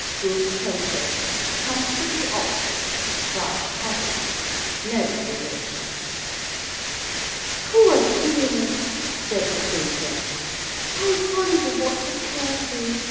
Good tempered. Comfortably off. Quiet habits. No relations._ 'Poor dear,' said the Princess. 'I wonder what the curse is!